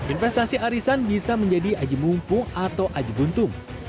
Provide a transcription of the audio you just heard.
investasi arisan bisa menjadi ajib mumpung atau ajib untung